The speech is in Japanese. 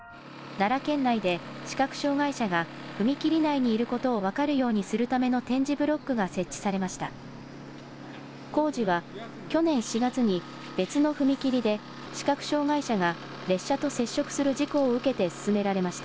奈良県内で視覚障害者が踏切内にいることを分かるようにするための点字ブロックが設置されました。